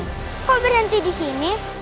kenapa kamu berhenti di sini